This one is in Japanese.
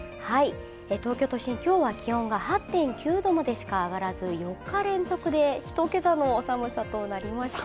東京都心、今日は気温が８．９度までしか上がらず４日連続で１桁の寒さとなりました。